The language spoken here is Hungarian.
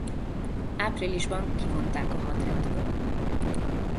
Áprilisban kivonták a hadrendből.